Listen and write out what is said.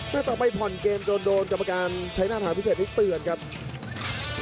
ต่อไปผ่อนเกมโดนกรรมการใช้หน้าฐานพิเศษที่เตือนครับ